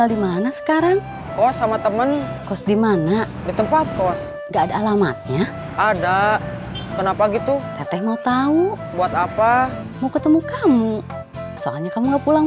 dompetnya juga sayang